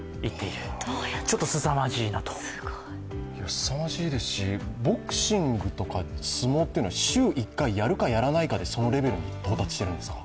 すさまじいですし、ボクシングとか相撲というのは週１回、やるかやらないかで、そのレベルに到達してるわけですか。